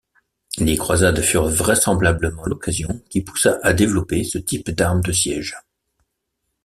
Les croisades furent vraisemblablement l'occasion qui poussa à développer ce type d’armes de siège.